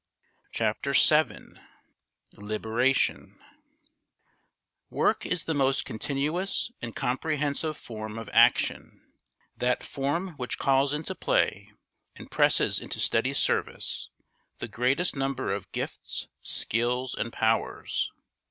Chapter VII Liberation Work is the most continuous and comprehensive form of action; that form which calls into play and presses into steady service the greatest number of gifts, skills, and powers.